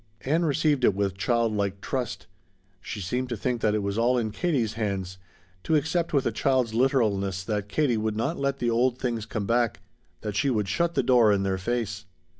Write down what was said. Ann received it with childlike trust. She seemed to think that it was all in Katie's hands, to accept with a child's literalness that Katie would not let the old things come back, that she would "shut the door in their face."